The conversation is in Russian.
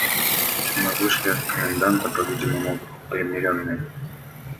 Мы вышли от коменданта по-видимому примиренные.